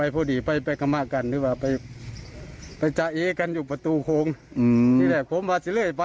แต่มันยืนอยู่ข้างรถนิดนึง